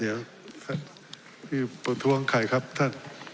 เดี๋ยวพี่ประท้วงใครครับท่าน